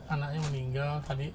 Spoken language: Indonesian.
anaknya meninggal tadi